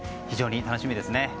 非常に楽しみですね。